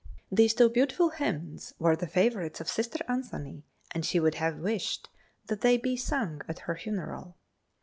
These two beautiful hymns were the favorites of Sister Anthony, and she would have wished that they be sung at her funeral.